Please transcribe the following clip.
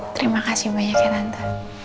terima kasih banyak ya nanta